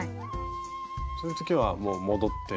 そういう時はもう戻って。